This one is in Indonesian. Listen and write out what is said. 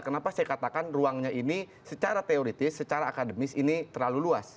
kenapa saya katakan ruangnya ini secara teoritis secara akademis ini terlalu luas